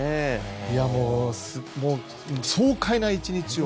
もう爽快な１日を。